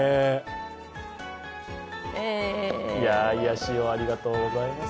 癒やしをありがとうございます。